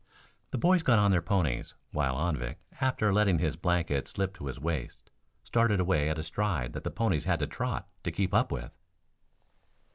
The boys got on their ponies, while Anvik, after letting his blanket slip to his waist, started away at a stride that the ponies had to trot to keep up with.